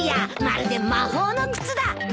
まるで魔法の靴だ。